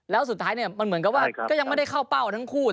แล้วสุดท้ายเนี่ยก็ยังไม่เข้าเป้าทั้งคู่